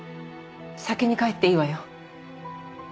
先に帰っていいわよ。